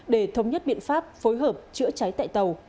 để thống nhất biện pháp phối hợp chữa cháy tại tàu